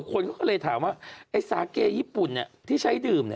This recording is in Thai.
คนเขาก็เลยถามว่าไอ้สาเกญี่ปุ่นที่ใช้ดื่ม